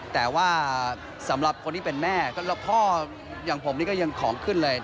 แต่ว่าสำหรับคนที่เป็นแม่แล้วพ่ออย่างผมนี่ก็ยังของขึ้นเลย